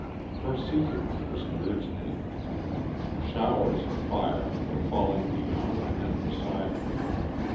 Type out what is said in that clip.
Her seeking was near its end. Showers of fire were falling beyond and beside her.